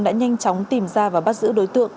đã nhanh chóng tìm ra và bắt giữ đối tượng